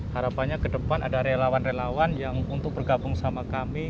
harapannya ke depan ada relawan relawan yang untuk bergabung sama kami